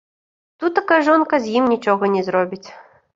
Тутака жонка з ім нічога не зробіць.